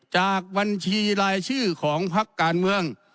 จากบัญชีรายชื่อของพักการเมือง